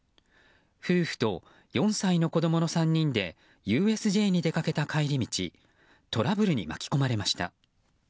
夫婦と４歳の子供の３人でＵＳＪに出かけた帰り道トラブルに巻き込まれました。